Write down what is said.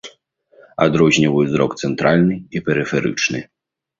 Адрозніваюць зрок цэнтральны і перыферычны.